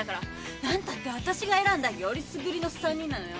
何たってわたしが選んだよりすぐりの三人なのよ。